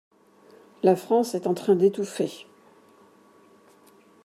La France est en train d’étouffer.